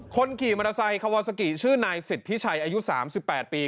คนขี่มอเตอร์ไซค์คาวาซากิชื่อนายสิทธิชัยอายุ๓๘ปี